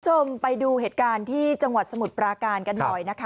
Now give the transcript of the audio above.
คุณผู้ชมไปดูเหตุการณ์ที่จังหวัดสมุทรปราการกันหน่อยนะคะ